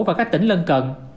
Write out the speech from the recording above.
và các tỉnh lân cận